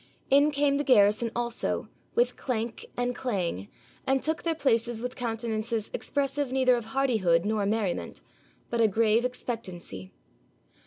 In came the garrison also, with clank and clang, and took their places with countenances expressive neither of hardihood nor merriment, but a grave expectancy.